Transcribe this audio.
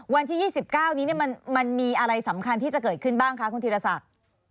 วันที่๒๙นี้มันมีอะไรสำคัญที่จะเกิดขึ้นบ้างคะคุณธีรศักดิ์